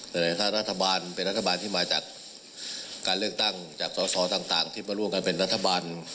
แต่ถ้ารัฐบาลเป็นรัฐบาลที่มาจากการเลือกตั้งจากสอสอต่างที่มาร่วมกันเป็นรัฐบาล